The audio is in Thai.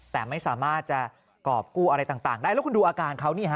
แต่ไม่สามารถจะกรอบกู้อะไรต่างได้แล้วคุณดูอาการเขานี่ฮะ